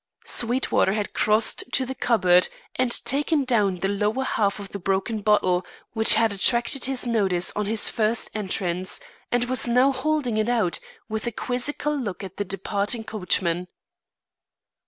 Sweetwater had crossed to the cupboard and taken down the lower half of the broken bottle which had attracted his notice on his first entrance, and was now holding it out, with a quizzical look at the departing coachman.